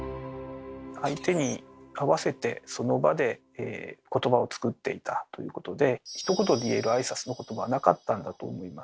相手に合わせてその場でことばを作っていたということでひと言で言える挨拶のことばはなかったんだと思います。